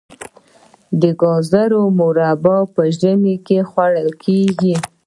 د ګازرو مربا په ژمي کې خوړل کیږي.